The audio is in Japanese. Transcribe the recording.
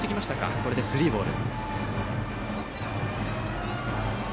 これでスリーボール。